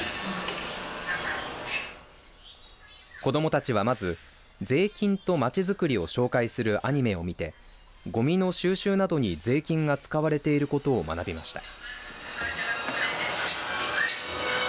子どもたちは、まず税金とまちづくりを紹介するアニメを見てごみの収集などに税金が使われていることを学びました。